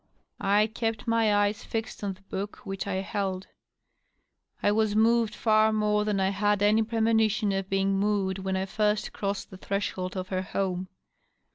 I kept my eyes fixed on the book which I held. I was moved far more than I had any premonition of being moved when I first crossed the threshold of her home.